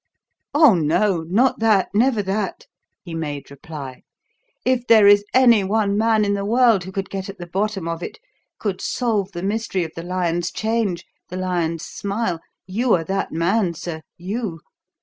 "Oh, no; not that never that!" he made reply. "If there is any one man in the world who could get at the bottom of it, could solve the mystery of the lion's change, the lion's smile, you are that man, sir, you.